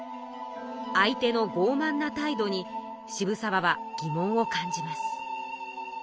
相手のごうまんな態度に渋沢は疑問を感じます。